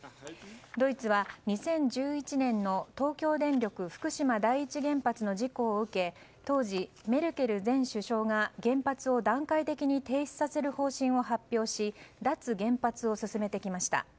ドイツは２０１１年の東京電力福島第一原発の事故を受け当時、メルケル前首相が原発を段階的に停止させる方針を発表し脱原発を進めてきました。